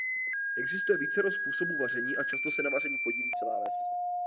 Existuje vícero způsobů vaření a často se na vaření podílí celá ves.